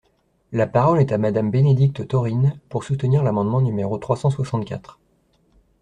La parole est à Madame Bénédicte Taurine, pour soutenir l’amendement numéro trois cent soixante-quatre.